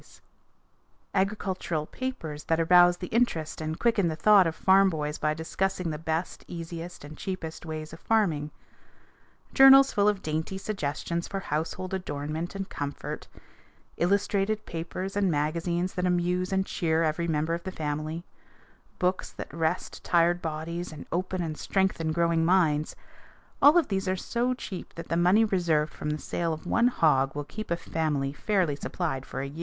[Illustration: THE QUEEN OF FLOWERS FOR THE HOME] [Illustration: FIG. 291. AN ATTRACTIVE COUNTRY HOME] Agricultural papers that arouse the interest and quicken the thought of farm boys by discussing the best, easiest, and cheapest ways of farming; journals full of dainty suggestions for household adornment and comfort; illustrated papers and magazines that amuse and cheer every member of the family; books that rest tired bodies and open and strengthen growing minds all of these are so cheap that the money reserved from the sale of one hog will keep a family fairly supplied for a year.